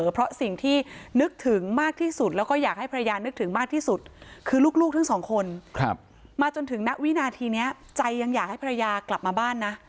เพราะสิ่งที่นึกถึงมากที่สุดแล้วก็อยากให้ภรรยานึกถึงมากที่สุดคือลูกทั้งสองคนมาจนถึงณวินาทีนี้ใจยังอยากให้ภรรยากลับมาบ้านนะ